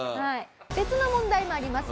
別の問題もあります。